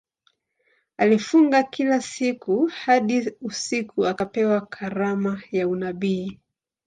Alifunga kila siku hadi usiku akapewa karama ya unabii.